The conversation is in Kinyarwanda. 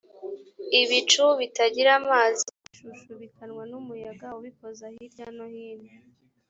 ibicu bitagira amazi bishushubikanywa n’umuyaga ubikoza hirya no hino